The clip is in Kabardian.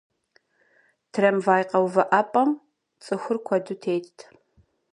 Трамвай къэувыӀэпӀэм цӀыхур куэду тетт.